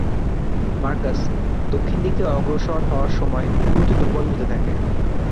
Marcus দক্ষিণ দিকে অগ্রসর হওয়ার সময়ে দ্রুত দুর্বল হতে থাকে।